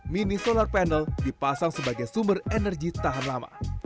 mini solar panel dipasang sebagai sumber energi tahan lama